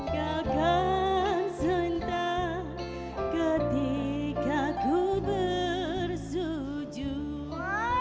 ketika ku bersujud